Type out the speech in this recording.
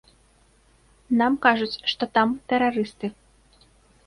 Нам кажуць, што там тэрарысты.